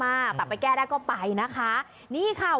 อ่าแต่ไปแก้ได้ก็ไปนะคะนี่ค่ะ